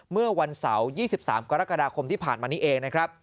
เมื่อวันเสาร์๒๓กรกฎาคมที่ผ่านมานี้เองนะครับ